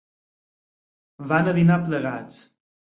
Van a dinar plegats.